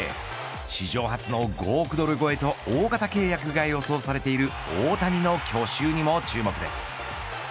史上初の５億ドル超えと大型契約が予想されている大谷の去就にも注目です。